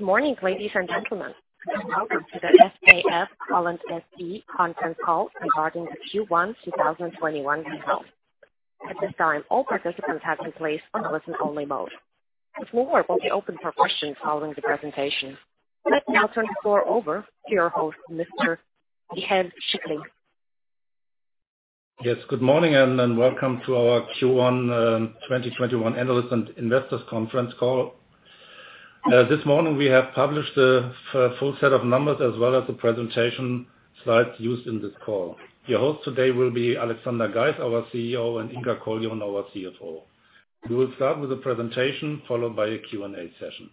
Good morning, ladies and gentlemen. Welcome to the SAF-HOLLAND SE conference call regarding the Q1 2021 results. Let's now turn the floor over to your host, Mr. Michael Schickling. Yes, good morning. Welcome to our Q1 2021 analyst and investors conference call. This morning, we have published the full set of numbers as well as the presentation slides used in this call. Your hosts today will be Alexander Geis, our CEO, and Inka Koljonen, our CFO. We will start with a presentation followed by a Q&A session.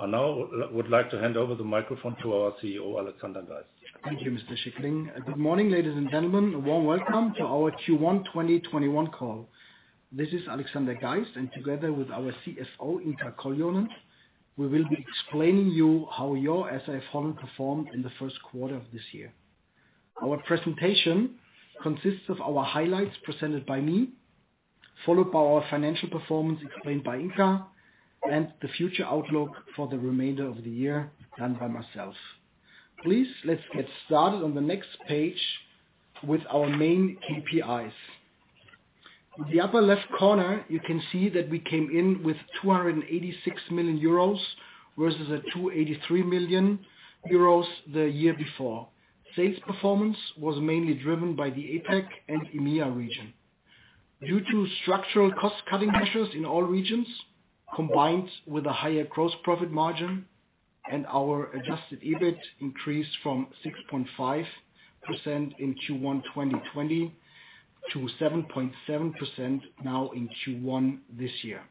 I now would like to hand over the microphone to our CEO, Alexander Geis. Thank you, Mr. Schickling. Good morning, ladies and gentlemen. A warm welcome to our Q1 2021 call. This is Alexander Geis, and together with our CFO, Inka Koljonen, we will be explaining you how your SAF-HOLLAND performed in the first quarter of this year. Our presentation consists of our highlights presented by me, followed by our financial performance explained by Inka, and the future outlook for the remainder of the year done by myself. Please, let's get started on the next page with our main KPIs. In the upper left corner, you can see that we came in with 286 million euros, versus 283 million euros the year before. Sales performance was mainly driven by the APAC and EMEA region. Due to structural cost-cutting measures in all regions, combined with a higher gross profit margin and our adjusted EBIT increased from 6.5% in Q1 2020 to 7.7% now in Q1 this year.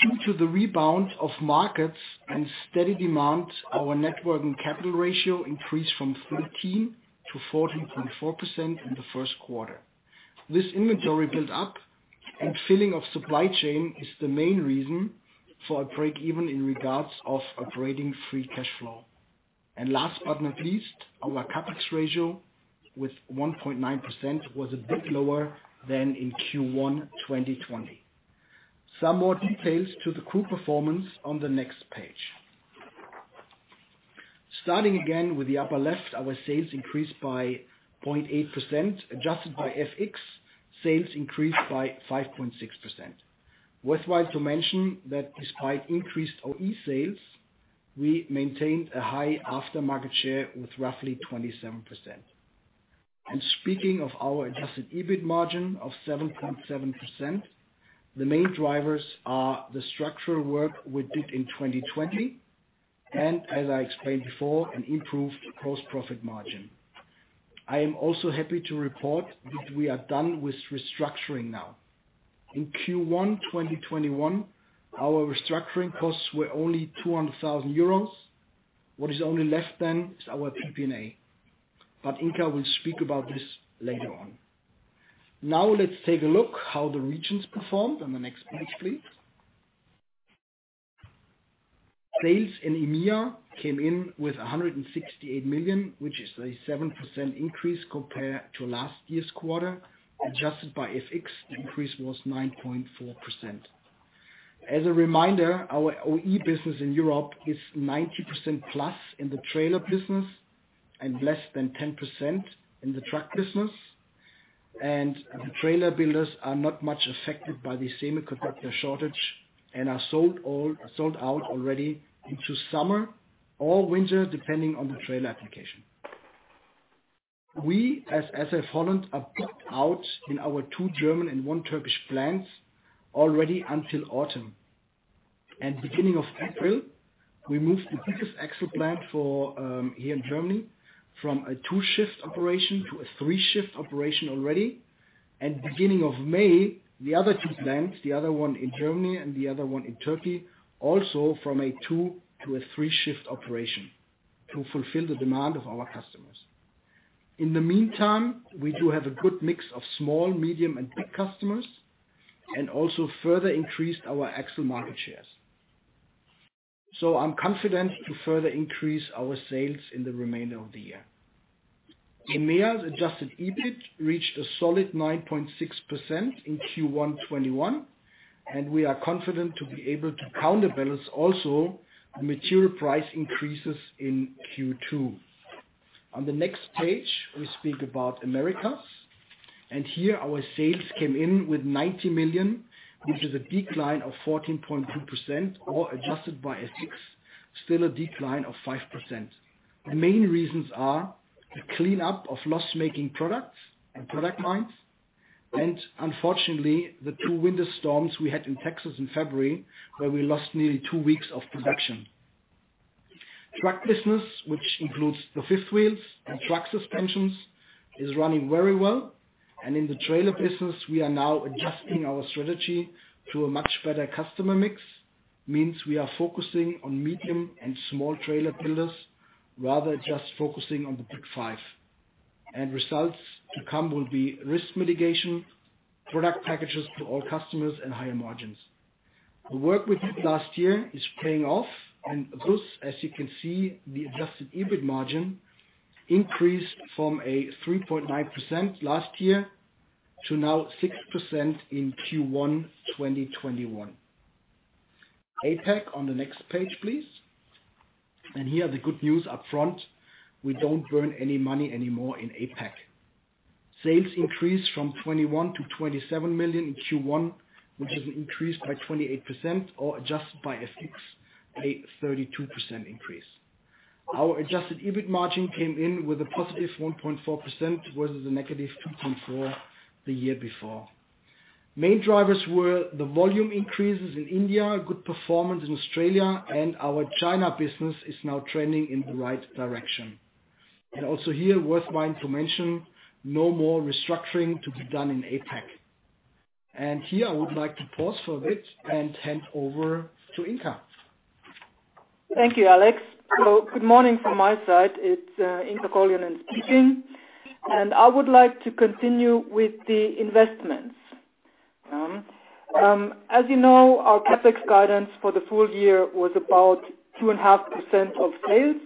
Due to the rebound of markets and steady demand, our net working capital ratio increased from 13%-14.4% in the first quarter. This inventory build-up and filling of supply chain is the main reason for a break even in regard to operating free cash flow. Last but not least, our CapEx ratio with 1.9% was a bit lower than in Q1 2020. Some more details to the group performance on the next page. Starting again with the upper left, our sales increased by 0.8%. Adjusted by FX, sales increased by 5.6%. Worthwhile to mention that despite increased OE sales, we maintained a high aftermarket share with roughly 27%. Speaking of our adjusted EBIT margin of 7.7%, the main drivers are the structural work we did in 2020, and as I explained before, an improved gross profit margin. I am also happy to report that we are done with restructuring now. In Q1 2021, our restructuring costs were only 200,000 euros. What is only left then is our PPA. Inka will speak about this later on. Let's take a look how the regions performed on the next page, please. Sales in EMEA came in with 168 million, which is a 7% increase compared to last year's quarter. Adjusted by FX, the increase was 9.4%. As a reminder, our OE business in Europe is 90%+ in the trailer business and less than 10% in the truck business. The trailer builders are not much affected by the semiconductor shortage and are sold out already into summer or winter, depending on the trailer application. We, as SAF-HOLLAND, are booked out in our two German and one Turkish plants already until autumn. Beginning of April, we moved the biggest axle plant here in Germany from a two-shift operation to a three-shift operation already, and beginning of May, the other two plants, the other one in Germany and the other one in Turkey, also from a two to a three-shift operation to fulfill the demand of our customers. In the meantime, we do have a good mix of small, medium, and big customers and also further increased our axle market shares. I'm confident to further increase our sales in the remainder of the year. EMEA's adjusted EBIT reached a solid 9.6% in Q1 2021. We are confident to be able to counterbalance also the material price increases in Q2. On the next page, we speak about Americas. Here, our sales came in with 90 million, which is a decline of 14.2% or adjusted by FX, still a decline of 5%. The main reasons are the cleanup of loss-making products and product lines, and unfortunately, the two winter storms we had in Texas in February where we lost nearly two weeks of production. Truck business, which includes the fifth wheels and truck suspensions, is running very well. In the trailer business, we are now adjusting our strategy to a much better customer mix, means we are focusing on medium and small trailer builders rather just focusing on the big five. Results to come will be risk mitigation, product packages to all customers, and higher margins. The work we did last year is paying off and thus, as you can see, the adjusted EBIT margin increased from 3.9% last year to now 6% in Q1 2021. APAC on the next page, please. Here, the good news up front, we don't burn any money anymore in APAC. Sales increased from 21 million-27 million in Q1, which is an increase by 28% or adjusted by FX, a 32% increase. Our adjusted EBIT margin came in with a positive 1.4% versus a negative 2.4% the year before. Main drivers were the volume increases in India, good performance in Australia, and our China business is now trending in the right direction. Also here, worth my information, no more restructuring to be done in APAC. Here, I would like to pause for a bit and hand over to Inka. Thank you, Alex. Good morning from my side. It's Inka Koljonen speaking. I would like to continue with the investments. As you know, our CapEx guidance for the full year was about 2.5% of sales.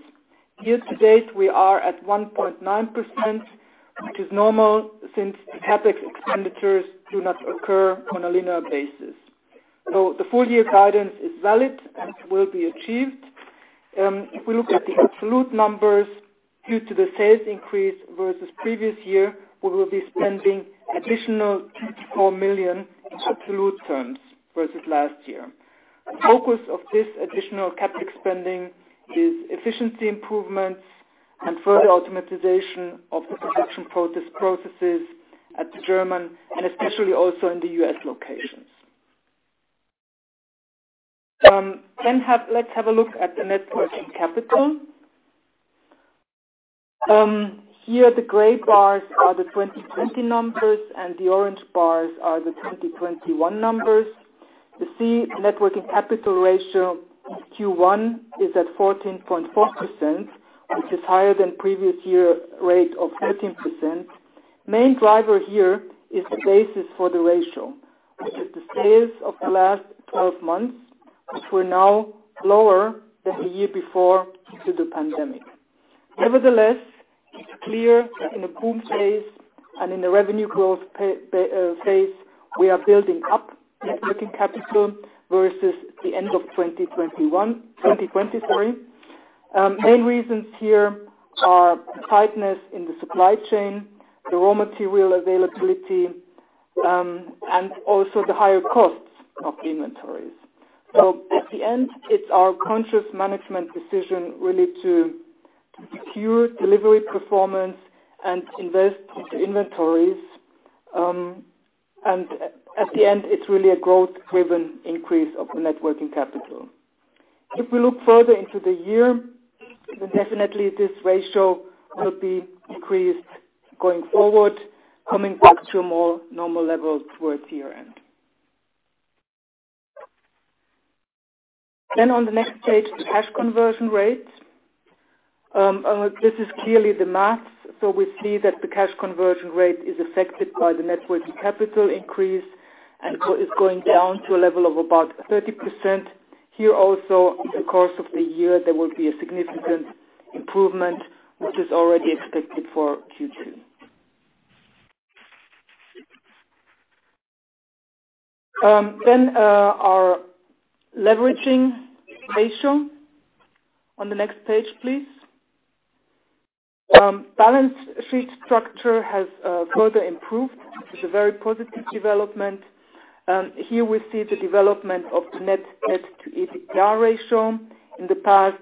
Year to date, we are at 1.9%, which is normal, since the CapEx expenditures do not occur on a linear basis. The full year guidance is valid and will be achieved. If we look at the absolute numbers, due to the sales increase versus the previous year, we will be spending an additional 2 million-4 million in absolute terms versus last year. The focus of this additional CapEx spending is efficiency improvements and further automatization of the production processes at the German, and especially also in the U.S. locations. Let's have a look at the net working capital. Here, the gray bars are the 2020 numbers and the orange bars are the 2021 numbers. You see, net working capital ratio in Q1 is at 14.4%, which is higher than previous year rate of 13%. Main driver here is the basis for the ratio, which is the sales of the last 12 months, which were now lower than the year before due to the pandemic. Nevertheless, it's clear in a boom phase and in the revenue growth phase, we are building up net working capital versus the end of 2021, 2020 sorry. Main reasons here are the tightness in the supply chain, the raw material availability, and also the higher costs of inventories. At the end, it's our conscious management decision really to secure delivery performance and invest into inventories. At the end, it's really a growth-driven increase of the net working capital. If we look further into the year, then definitely this ratio will be increased going forward, coming back to a more normal level towards year-end. On the next page, the cash conversion rate. This is clearly the math. We see that the cash conversion rate is affected by the net working capital increase and is going down to a level of about 30%. Here also, in the course of the year, there will be a significant improvement, which is already expected for Q2. Our leveraging ratio on the next page, please. Balance sheet structure has further improved, which is a very positive development. Here we see the development of the net debt to EBITDA ratio in the past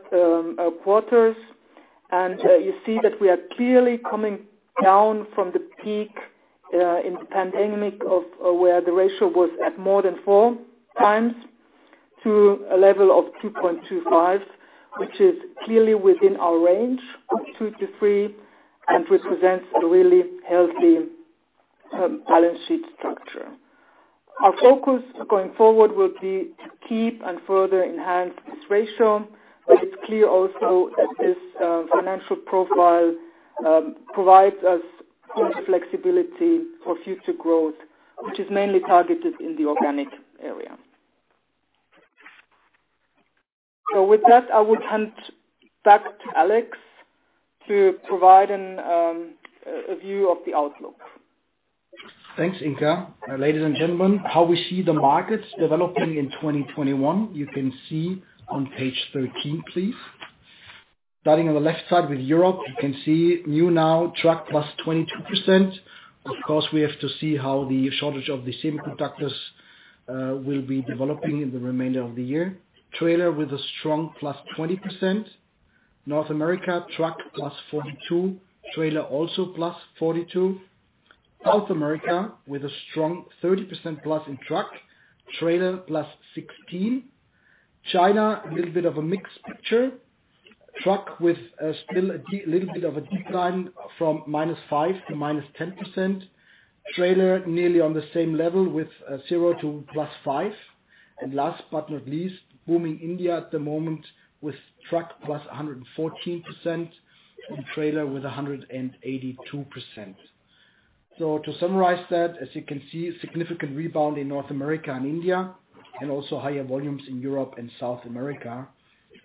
quarters. You see that we are clearly coming down from the peak in the pandemic of where the ratio was at more than 4 times to a level of 2.25, which is clearly within our range of two to three and represents a really healthy balance sheet structure. Our focus going forward will be to keep and further enhance this ratio, but it's clear also that this financial profile provides us with flexibility for future growth, which is mainly targeted in the organic area. With that, I will hand back to Alex to provide a view of the outlook. Thanks, Inka. Ladies and gentlemen, how we see the markets developing in 2021, you can see on page 13, please. Starting on the left side with Europe, you can see new now truck +22%. Of course, we have to see how the shortage of the semiconductors will be developing in the remainder of the year. Trailer with a strong +20%. North America, truck +42, trailer also +42. South America with a strong 30%+ in truck, trailer +16. China, a little bit of a mixed picture. Truck with still a little bit of a decline from -5% to -10%. Trailer nearly on the same level with zero to +5. Last but not least, booming India at the moment with truck +114% and trailer with 182%. To summarize that, as you can see, a significant rebound in North America and India. Also higher volumes in Europe and South America,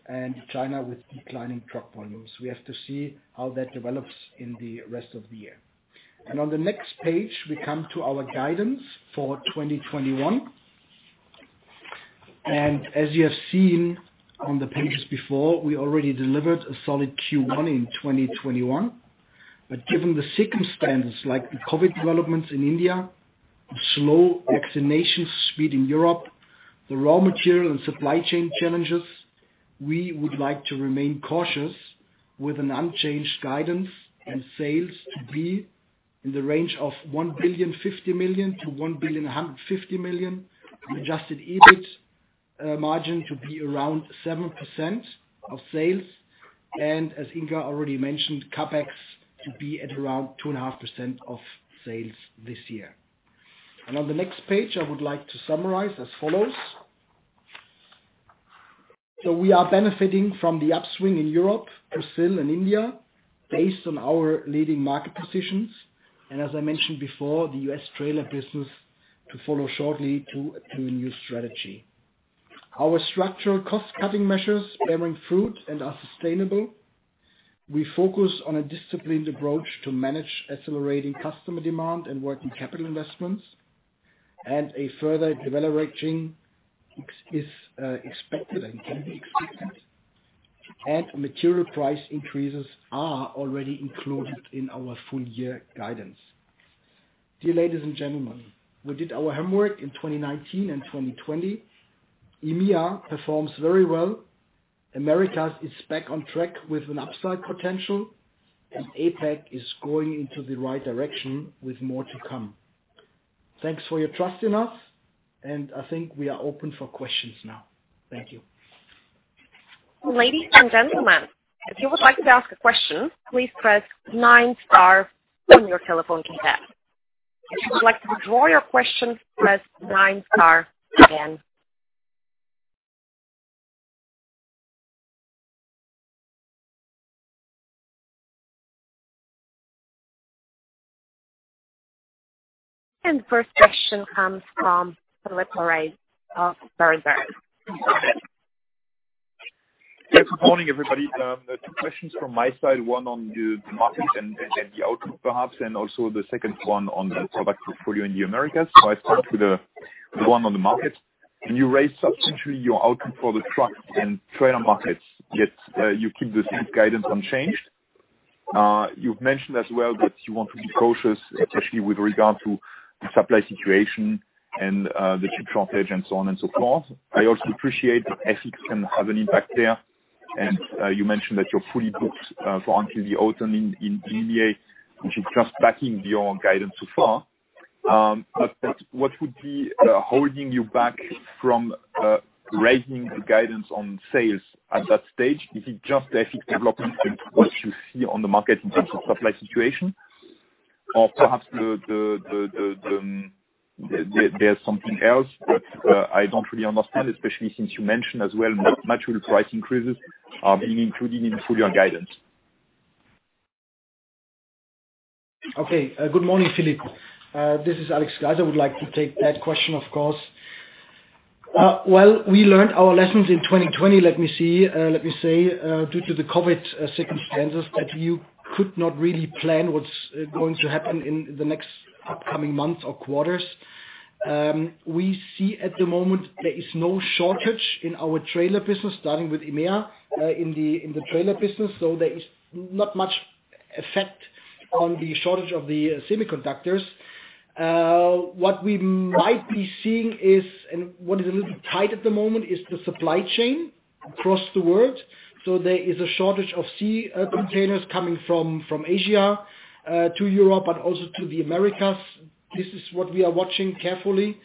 and China with declining truck volumes. We have to see how that develops in the rest of the year. On the next page, we come to our guidance for 2021. As you have seen on the pages before, we already delivered a solid Q1 in 2021. Given the circumstances like the COVID developments in India, the slow vaccination speed in Europe, the raw material and supply chain challenges, we would like to remain cautious with an unchanged guidance and sales to be in the range of 1,050 million-1,150 million. Adjusted EBIT margin to be around 7% of sales. As Inka already mentioned, CapEx to be at around 2.5% of sales this year. On the next page, I would like to summarize as follows. We are benefiting from the upswing in Europe, Brazil, and India based on our leading market positions. As I mentioned before, the U.S. trailer business to follow shortly to a new strategy. Our structural cost-cutting measures bearing fruit and are sustainable. We focus on a disciplined approach to manage accelerating customer demand and working capital investments. A further deleveraging is expected and can be expected. Material price increases are already included in our full year guidance. Dear ladies and gentlemen, we did our homework in 2019 and 2020. EMEA performs very well. Americas is back on track with an upside potential, and APAC is going into the right direction with more to come. Thanks for your trust in us, and I think we are open for questions now. Thank you. Ladies and gentlemen, if you would like to ask a question, please press nine star on your telephone keypad. If you would like to withdraw your question, press nine star again. The first question comes from Philippe Lorrain of Berenberg. Yes. Good morning, everybody. Two questions from my side, one on the market and the outlook perhaps, and also the second one on the product portfolio in the Americas. I start with the one on the market. When you raise substantially your outlook for the truck and trailer markets, yet you keep the same guidance unchanged. You've mentioned as well that you want to be cautious, especially with regard to the supply situation and the chip shortage and so on and so forth. I also appreciate that FX can have an impact there, and you mentioned that you're fully booked for until the autumn in EMEA, which is just backing your guidance so far. What would be holding you back from raising the guidance on sales at that stage? Is it just the FX development and what you see on the market in terms of supply situation? Perhaps there's something else that I don't really understand, especially since you mentioned as well material price increases are being included in full year guidance. Okay. Good morning, Philippe. This is Alexander Geis. I would like to take that question, of course. Well, we learned our lessons in 2020, let me say, due to the COVID circumstances, that you could not really plan what's going to happen in the next upcoming months or quarters. We see at the moment there is no shortage in our trailer business, starting with EMEA, in the trailer business. There is not much effect on the shortage of the semiconductors. What we might be seeing is, and what is a little tight at the moment, is the supply chain across the world. There is a shortage of sea containers coming from Asia to Europe but also to the Americas. This is what we are watching carefully.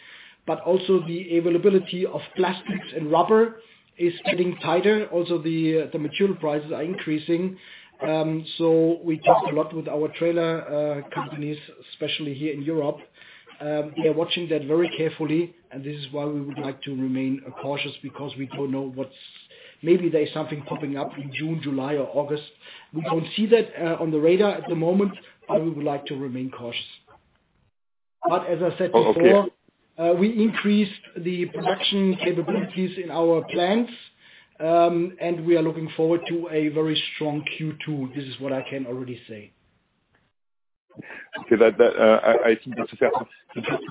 Also, the availability of plastics and rubber is getting tighter. Also, the material prices are increasing. We talk a lot with our trailer companies, especially here in Europe. We are watching that very carefully, and this is why we would like to remain cautious because we don't know what's. Maybe there's something popping up in June, July, or August. We don't see that on the radar at the moment, we would like to remain cautious. Oh, okay. We increased the production capabilities in our plants, and we are looking forward to a very strong Q2. This is what I can already say. Okay. I think just to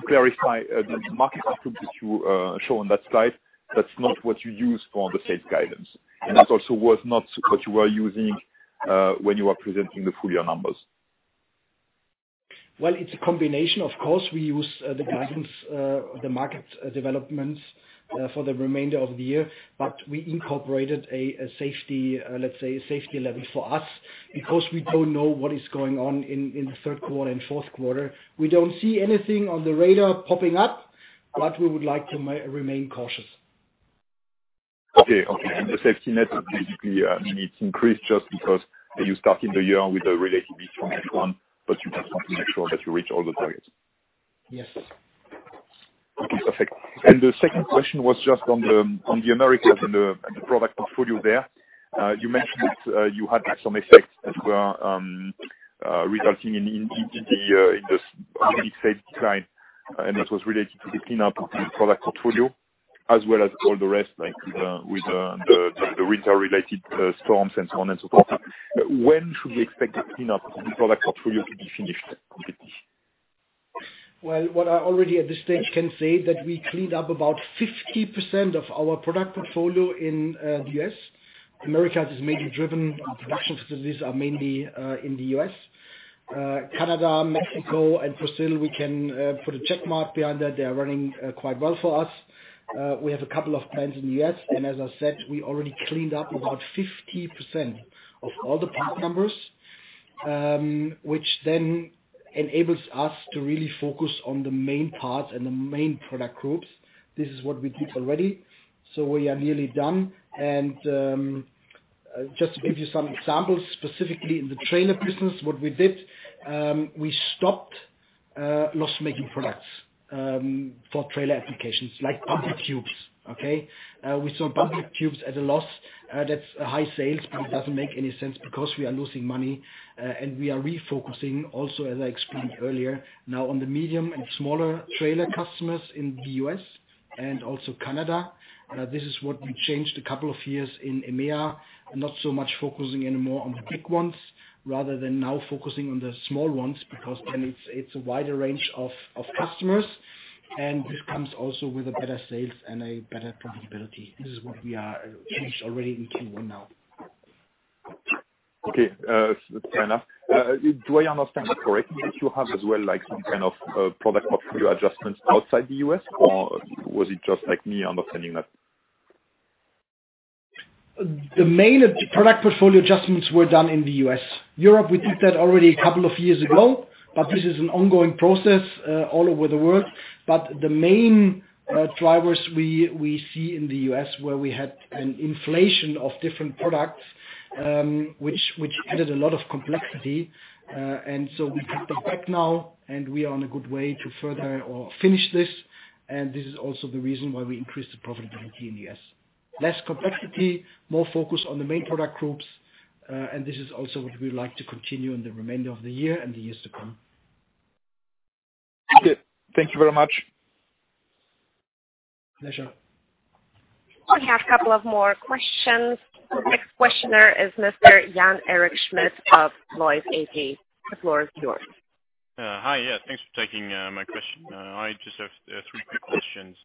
clarify, the market outlook that you show on that slide, that's not what you use for the sales guidance. That also was not what you were using when you were presenting the full year numbers. Well, it's a combination. Of course, we use the guidance, the market developments for the remainder of the year, but we incorporated, let's say, a safety level for us because we don't know what is going on in the third quarter and fourth quarter. We don't see anything on the radar popping up, but we would like to remain cautious. Okay. The safety net basically means increased just because you start in the year with a relatively strong H1, but you just want to make sure that you reach all the targets. Yes. Okay. Perfect. The second question was just on the Americas and the product portfolio there. You mentioned that you had some effects that were resulting in this unique sales decline, and it was related to the cleanup of the product portfolio, as well as all the rest, like with the winter-related storms and so on and so forth. When should we expect the cleanup of the product portfolio to be finished completely? Well, what I already, at this stage, can say that we cleaned up about 50% of our product portfolio in the U.S. Americas is mainly driven, our production facilities are mainly in the U.S. Canada, Mexico, and Brazil, we can put a checkmark behind that. They are running quite well for us. We have a couple of plants in the U.S., and as I said, we already cleaned up about 50% of all the part numbers, which then enables us to really focus on the main parts and the main product groups. This is what we did already. We are nearly done. Just to give you some examples, specifically in the trailer business, what we did, we stopped loss-making products for trailer applications like cube vans. We saw cube vans at a loss. That's high sales, but it doesn't make any sense, because we are losing money. We are refocusing also, as I explained earlier, now on the medium and smaller trailer customers in the U.S. and also Canada. This is what we changed a couple of years in EMEA, not so much focusing anymore on the big ones, rather than now focusing on the small ones. It's a wider range of customers, and this comes also with better sales and better profitability. This is what we are finished already in Q1 now. Okay. Fair enough. Do I understand it correctly, that you have as well some kind of product portfolio adjustments outside the U.S., or was it just me understanding that? The main product portfolio adjustments were done in the U.S. Europe, we did that already a couple of years ago, but this is an ongoing process all over the world. The main drivers we see in the U.S., where we had an inflation of different products, which added a lot of complexity. We cut that back now, and we are on a good way to further or finish this, and this is also the reason why we increased the profitability in the U.S. Less complexity, more focus on the main product groups. This is also what we would like to continue in the remainder of the year and the years to come. Okay. Thank you very much. Pleasure. We have a couple of more questions. Next questioner is Mr. Jan-Eric Schmitz of Lloyd AG. The floor is yours. Hi. Yeah, thanks for taking my question. I just have three quick questions.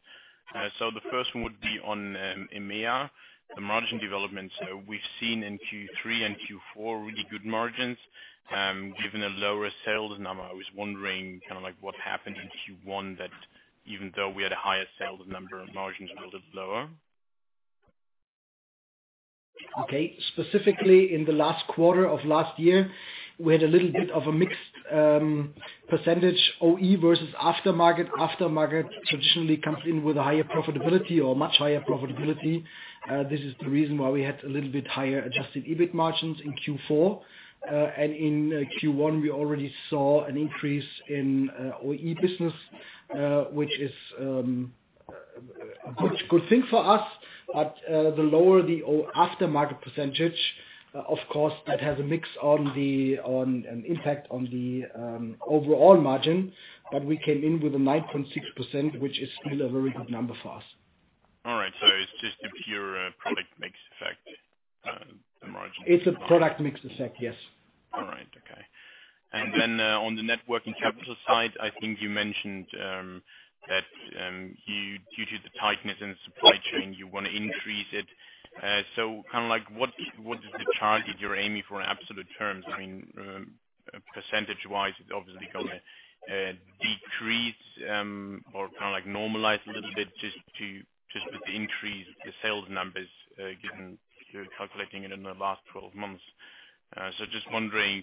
The first one would be on EMEA, the margin development. We've seen in Q3 and Q4 really good margins. Given a lower sales number, I was wondering what happened in Q1 that even though we had a higher sales number, margins are a little lower? Specifically in the last quarter of last year, we had a little bit of a mixed percentage OE versus aftermarket. Aftermarket traditionally comes in with a higher profitability or much higher profitability. This is the reason why we had a little bit higher adjusted EBIT margins in Q4. In Q1, we already saw an increase in OE business, which is a good thing for us. The lower the aftermarket percent, of course, that has a mix on an impact on the overall margin. We came in with a 9.6%, which is still a very good number for us. All right. It's just a pure product mix effect on the margin. It's a product mix effect, yes. All right. Okay. On the net working capital side, I think you mentioned that due to the tightness in the supply chain, you want to increase it. What is the target you're aiming for in absolute terms? I mean, percentage-wise, it's obviously going to decrease or normalize a little bit just with the increase in sales numbers, given you're calculating it in the last 12 months. Just wondering,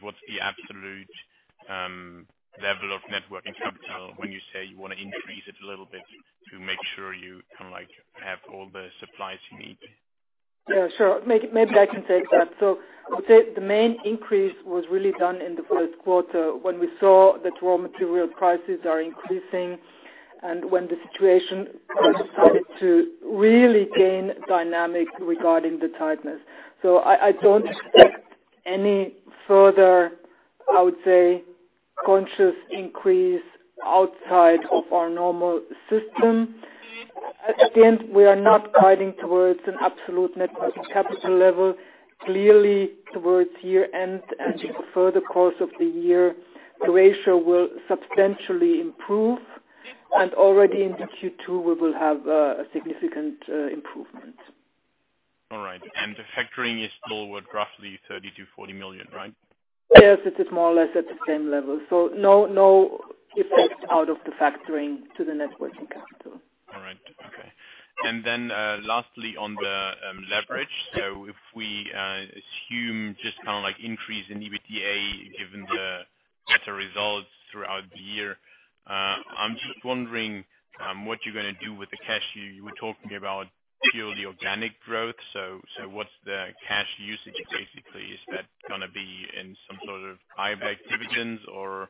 what's the absolute level of net working capital when you say you want to increase it a little bit to make sure you have all the supplies you need? Yeah, sure. Maybe I can take that. I would say the main increase was really done in the first quarter when we saw that raw material prices are increasing and when the situation started to really gain dynamic regarding the tightness. I don't expect any further, I would say, conscious increase outside of our normal system. At the end, we are not guiding towards an absolute net working capital level. Clearly, towards year-end and the further course of the year, the ratio will substantially improve. Already in the Q2, we will have a significant improvement. All right. The factoring is still worth roughly 30 million-40 million, right? Yes, it is more or less at the same level. No effect out of the factoring to the net working capital. All right. Okay. Lastly, on the leverage. If we assume just increase in EBITDA, given the better results throughout the year, I'm just wondering what you're going to do with the cash. You were talking about purely organic growth. What's the cash usage, basically? Is that going to be in some sort of buyback dividends, or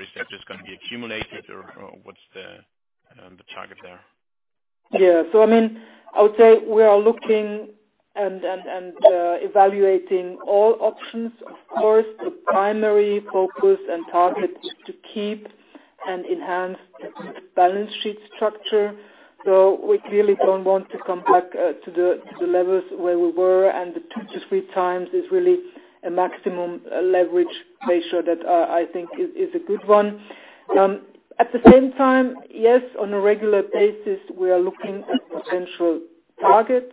is that just going to be accumulated, or what's the target there? Yeah. I would say we are looking and evaluating all options. Of course, the primary focus and target is to keep and enhance the balance sheet structure. We clearly don't want to come back to the levels where we were, and the two to three times is really a maximum leverage ratio that I think is a good one. At the same time, yes, on a regular basis, we are looking at potential targets.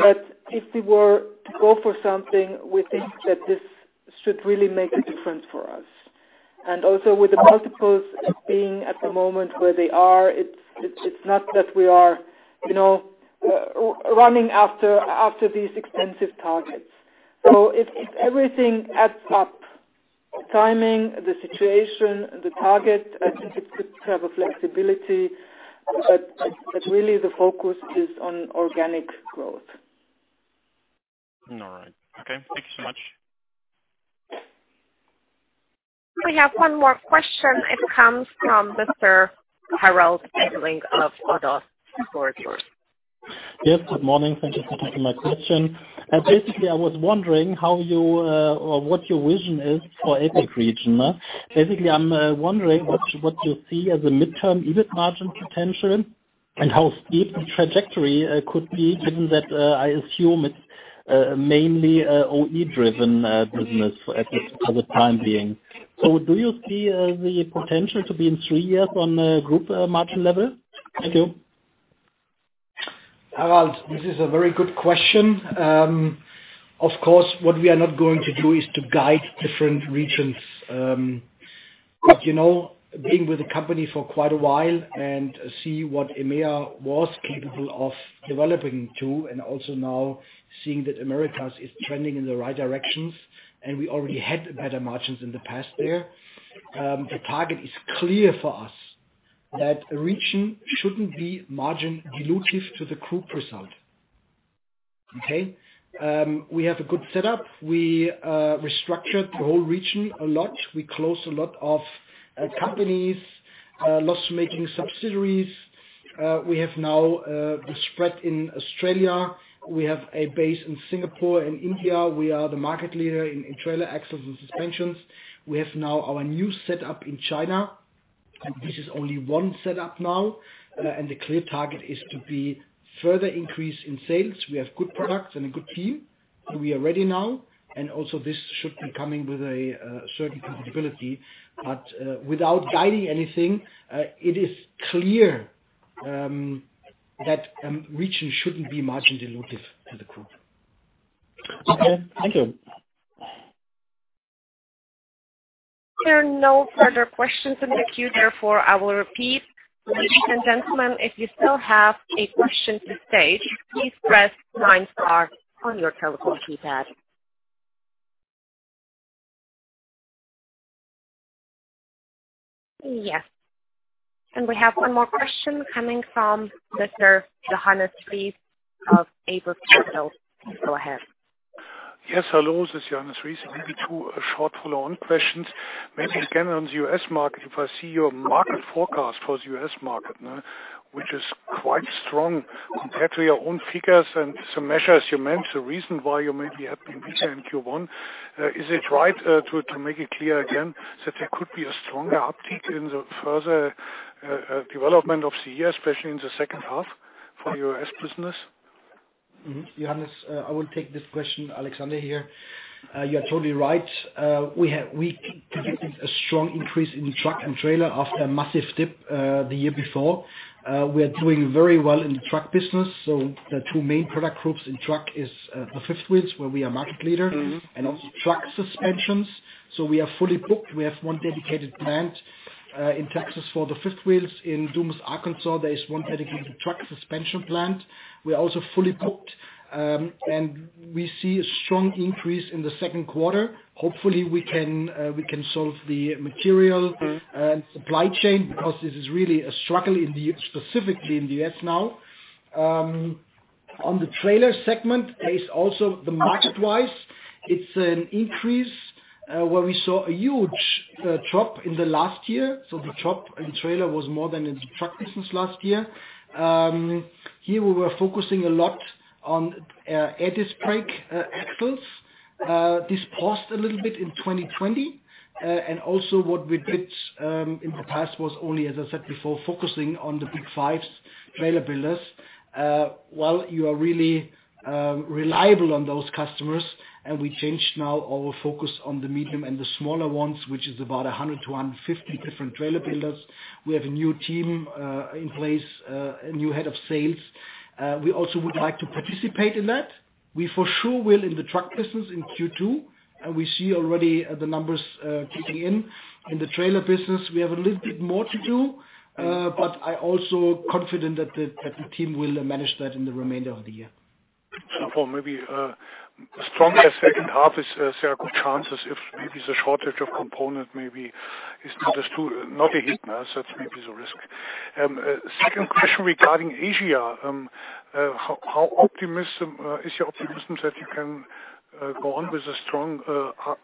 But if we were to go for something, we think that this should really make a difference for us. Also with the multiples being at the moment where they are, it's not that we are running after these expensive targets. If everything adds up, timing, the situation, the target, I think it could have a flexibility, but really the focus is on organic growth. All right. Okay. Thank you so much. We have one more question. It comes from Mr. Harald Fiedler of ODDO BHF Research. Yes. Good morning. Thank you for taking my question. Basically, I was wondering what your vision is for APAC region. Basically, I am wondering what you see as a midterm EBIT margin potential and how steep the trajectory could be given that I assume it is mainly OE-driven business for the time being. Do you see the potential to be in three years on a group margin level? Thank you. Harald, this is a very good question. Of course, what we are not going to do is to guide different regions. Being with the company for quite a while and see what EMEA was capable of developing to, and also now seeing that Americas is trending in the right directions, and we already had better margins in the past there. The target is clear for us that a region shouldn't be margin dilutive to the group result. Okay? We have a good setup. We restructured the whole region a lot. We closed a lot of companies, loss-making subsidiaries. We have now the spread in Australia. We have a base in Singapore and India. We are the market leader in trailer axles and suspensions. We have now our new setup in China. This is only one setup now, and the clear target is to be further increase in sales. We have good products and a good team. We are ready now, and also this should be coming with a certain profitability. Without guiding anything, it is clear that region shouldn't be margin dilutive to the group. Okay. Thank you. There are no further questions in the queue. Therefore, I will repeat. Ladies and gentlemen, if you still have a question to state, please press star nine on your telephone keypad. Yes. We have one more question coming from listener Johannes Ries of Apus Capital. Go ahead. Yes. Hello. This is Johannes Ries. Maybe two short follow-on questions. Maybe again on U.S. market. If I see your market forecast for U.S. market, which is quite strong compared to your own figures and some measures you mentioned, the reason why you maybe have been better in Q1. Is it right to make it clear again that there could be a stronger uptick in the further development of the year, especially in the second half for U.S. business? Johannes, I will take this question. Alexander here. You are totally right. We predicted a strong increase in truck and trailer after a massive dip the year before. We are doing very well in the truck business. The two main product groups in truck is the fifth wheels, where we are market leader, and also truck suspensions. We are fully booked. We have one dedicated plant in Texas for the fifth wheels. In Dumas, Arkansas, there is one dedicated truck suspension plant. We are also fully booked. We see a strong increase in the second quarter. Hopefully, we can solve the material and supply chain because this is really a struggle specifically in the U.S. now. On the trailer segment, pace also the market-wise, it's an increase where we saw a huge drop in the last year. The drop in trailer was more than in the truck business last year. Here we were focusing a lot on air disc brake axles. This paused a little bit in 2020. What we did in the past was only, as I said before, focusing on the big five trailer builders. You are really reliable on those customers, we changed now our focus on the medium and the smaller ones, which is about 100 to 150 different trailer builders. We have a new team in place, a new head of sales. We also would like to participate in that. We for sure will in the truck business in Q2, we see already the numbers kicking in. In the trailer business, we have a little bit more to do, I also confident that the team will manage that in the remainder of the year. For maybe a stronger second half, there are good chances if maybe the shortage of component maybe is not a hit. That's maybe the risk. Second question regarding Asia. How is your optimism that you can go on with a strong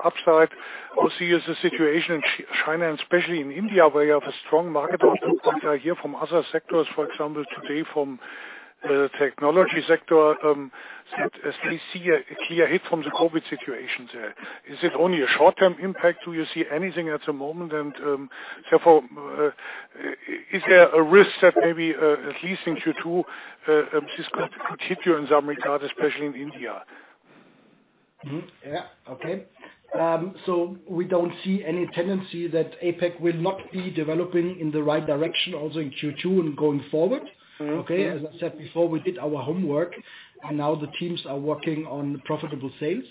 upside? Also, is the situation in China and especially in India, where you have a strong market, but what I hear from other sectors, for example, today from the technology sector, that they see a clear hit from the COVID situation there. Is it only a short-term impact? Do you see anything at the moment? Therefore, is there a risk that maybe, at least in Q2, this could continue in some regard, especially in India? Yeah. Okay. We don't see any tendency that APAC will not be developing in the right direction, also in Q2 and going forward. Okay. As I said before, we did our homework, and now the teams are working on profitable sales.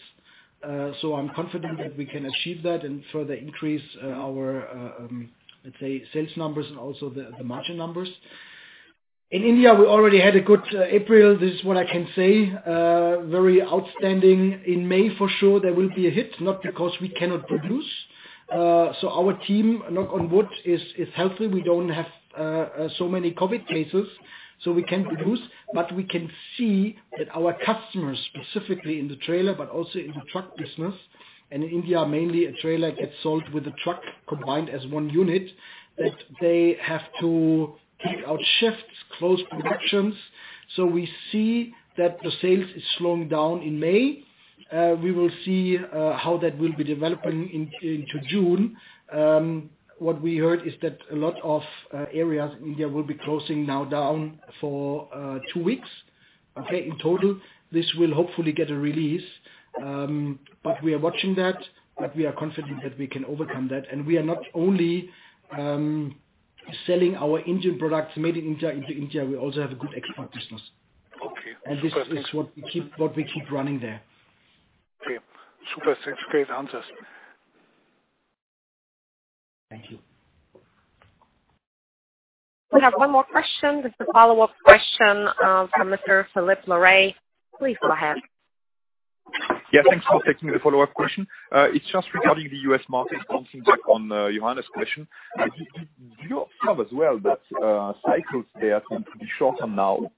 I'm confident that we can achieve that and further increase our, let's say, sales numbers and also the margin numbers. In India, we already had a good April. This is what I can say, very outstanding. In May, for sure, there will be a hit, not because we cannot produce. Our team, knock on wood, is healthy. We don't have so many COVID cases, so we can produce. We can see that our customers, specifically in the trailer, but also in the truck business, and in India, mainly a trailer gets sold with a truck combined as one unit, that they have to take out shifts, close productions. We see that the sales is slowing down in May. We will see how that will be developing into June. What we heard is that a lot of areas in India will be closing now down for two weeks, okay, in total. This will hopefully get a release. We are watching that, but we are confident that we can overcome that. We are not only selling our Indian products made in India into India, we also have a good export business. Okay. This is what we keep running there. Okay. Super. Thanks for your answers. Thank you. We have one more question. This is a follow-up question from Mr. Philippe Lorrain. Please go ahead. Yeah. Thanks for taking the follow-up question. It's just regarding the U.S. market, bouncing back on Johannes' question. Do you observe as well that cycles there seem to be shorter now?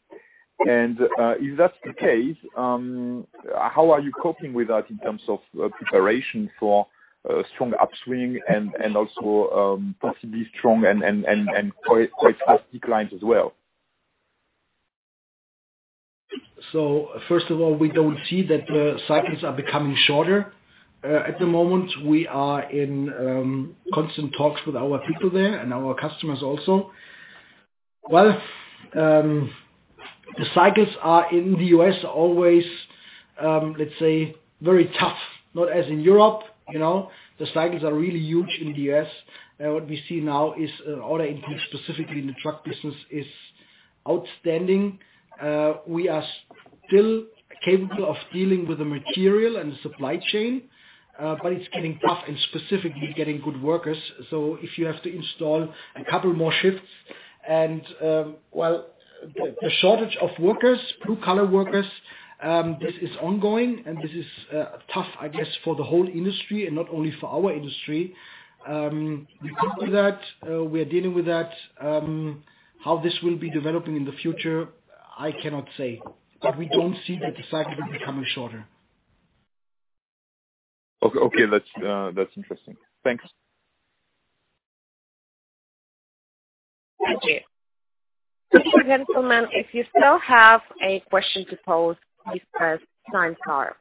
If that's the case, how are you coping with that in terms of preparation for a strong upswing and also, possibly strong and quite fast declines as well? First of all, we don't see that the cycles are becoming shorter. At the moment, we are in constant talks with our people there and our customers also. Well, the cycles are in the U.S. always, let's say, very tough. Not as in Europe. The cycles are really huge in the U.S. What we see now is order increase, specifically in the truck business, is outstanding. We are still capable of dealing with the material and the supply chain, but it's getting tough and specifically getting good workers. If you have to install a couple more shifts and, well, the shortage of workers, blue-collar workers, this is ongoing, and this is tough, I guess, for the whole industry and not only for our industry. We copy that. We are dealing with that. How this will be developing in the future, I cannot say. We don't see that the cycle is becoming shorter. Okay. That's interesting. Thanks. Thank you. Gentlemen, if you still have a question to pose, please press star.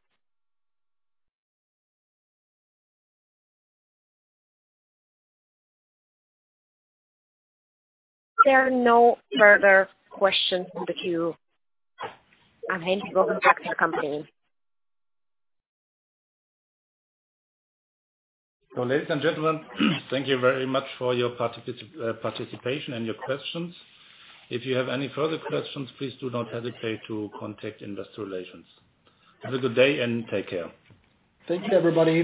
There are no further questions in the queue. I hand you over back to the company. Ladies and gentlemen, thank you very much for your participation and your questions. If you have any further questions, please do not hesitate to contact investor relations. Have a good day and take care. Thank you, everybody.